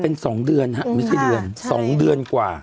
เป็น๒เดือนฮะไม่ใช่เดือน๒เดือนกว่า